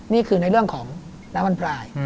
นี่คือในเรื่องของน้ำมันพลาย